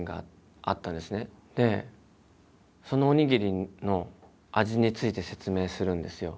でそのおにぎりの味について説明するんですよ。